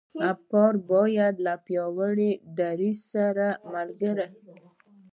افکار بايد له پياوړي دريځ سره ملګري شي.